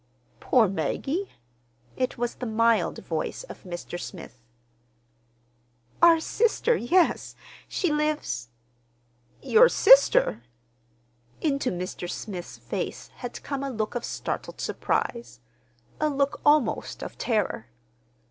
"Poor Maggie?" It was the mild voice of Mr. Smith. "Our sister—yes. She lives—" "Your sister!" Into Mr. Smith's face had come a look of startled surprise—a look almost of terror.